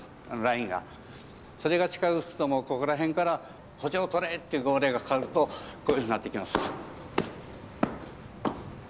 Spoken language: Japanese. それが近づくともうここら辺から「歩調とれ」っていう号令がかかるとこういうふうになってきます。